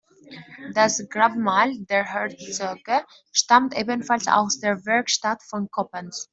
Das Grabmal der Herzöge stammt ebenfalls aus der Werkstatt von Coppens.